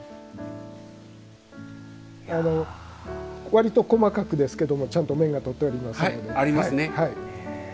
わりと細かくですがちゃんと面が取ってありますので。